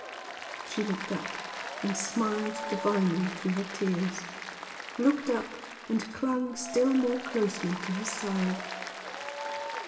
She looked up, and smiled divinely through her tears looked up, and clung still more closely to his side.